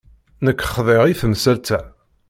Nekk xḍiɣ i temsalt-a.